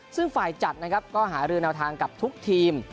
ซึ่งฝ่ายจัดนะครับก็หารือแนวทางกับทุกทีม